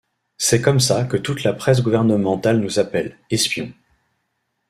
C'est comme ça que toute la presse gouvernementale nous appelle : espions.